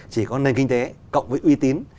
chỉ có nền kinh tế cộng với uy tín